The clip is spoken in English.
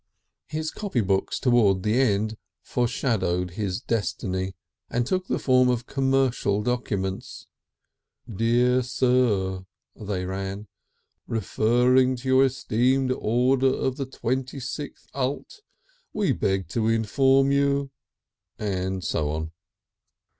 His copy books towards the end foreshadowed his destiny and took the form of commercial documents. "Dear Sir," they ran, "Referring to your esteemed order of the 26th ult., we beg to inform you," and so on.